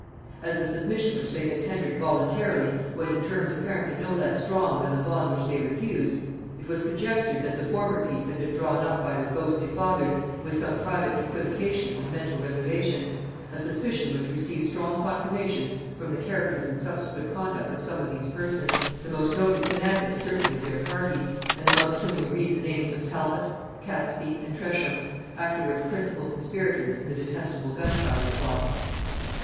As the submission which they had tendered voluntarily was in terms apparently no less strong than the bond which they refused, it was conjectured that the former piece had been drawn up by their ghostly fathers with some private equivocation or mental reservation; a suspicion which receives strong confirmation from the characters and subsequent conduct of some of these persons, the most noted fanatics certainly of their party, and amongst whom we read the names of Talbot, Catesby, and Tresham, afterwards principal conspirators in the detestable gunpowder plot. [Note 98: Life of Whitgift, by Strype.